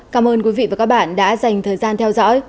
cảm ơn quý vị và các bạn đã dành thời gian theo dõi